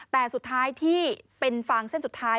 แต่สุดท้ายที่เป็นฟางเส้นสุดท้าย